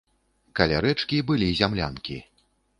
Каля рэчкі былі зямлянкі.